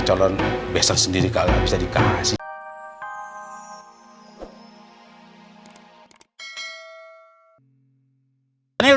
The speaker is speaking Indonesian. calon besok sendiri kalau bisa dikasih jauh dari kebenaran